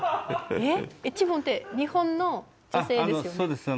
えっＨ本って日本の女性ですよね？